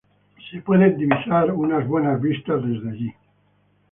Se pueden divisar unos buenos parajes desde allí.